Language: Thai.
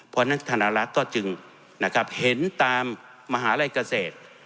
เพราะฉะนั้นธนรัฐก็จึงเห็นตามมหาลัยเกษตร